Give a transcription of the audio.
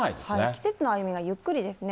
季節の歩みがゆっくりですね。